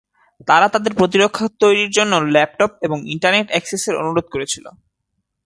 তারা তাদের প্রতিরক্ষা তৈরির জন্য ল্যাপটপ এবং ইন্টারনেট অ্যাক্সেসের অনুরোধ করেছিল।